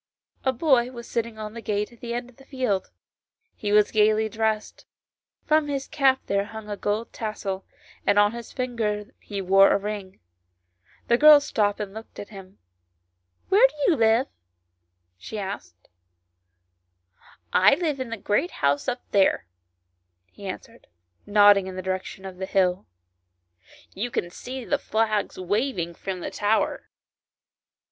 A boy was sitting on the gate at the end of ' the field. He was gaily dressed : from his cap there hung a gold tassel, and on his finger he wore a ring. The girl stopped and looked at him. " Where do you live ?" she asked. " I live at the great house up there," he answered, nodding in the direction of the hill. " You can see the flag waving from the tower."